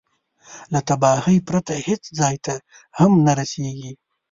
له تباهي پرته هېڅ ځای ته هم نه رسېږي.